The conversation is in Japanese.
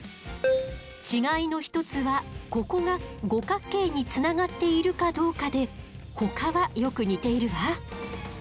違いの一つはここが五角形につながっているかどうかでほかはよく似ているわ。